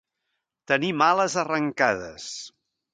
Tenir males arrancades.